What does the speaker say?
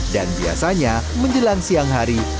dan biasanya menjelang siang hari